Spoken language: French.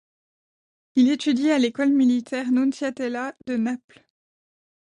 Il étudie à l'École militaire Nunziatella de Naples.